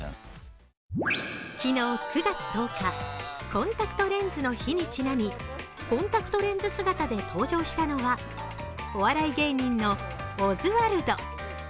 昨日、９月１０日、コンタクトレンズの日にちなみコンタクトレンズ姿で登場したのはお笑い芸人のオズワルド。